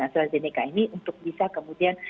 astrazeneca ini untuk bisa kemudian